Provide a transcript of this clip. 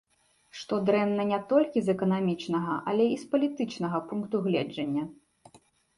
Што дрэнна не толькі з эканамічнага, але і з палітычнага пункту гледжання.